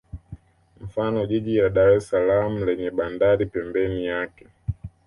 Mfano jiji la Dar es salaam lenye bandari pembeni yake